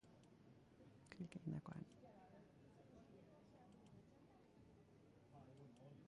Neurri fiskalak ere, aurreko ekitaldietan bezala utzi dituzte.